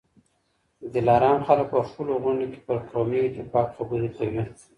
د دلارام خلک په خپلو غونډو کي پر قومي اتفاق خبرې کوي.